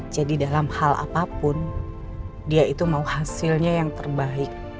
jadi dalam hal apapun dia itu mau hasilnya yang terbaik